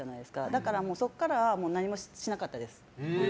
だから、そこからは何もしなかったです。